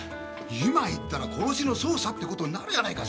今行ったら殺しの捜査ってことになるやないか